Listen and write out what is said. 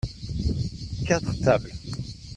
quatre tables.